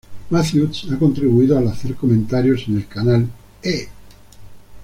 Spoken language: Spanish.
Mathews ha contribuido al hacer comentarios en el canal E!